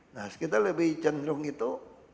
nah kita lebih cenderung itu